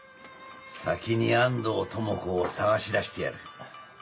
先に安藤智子を捜し出してやる。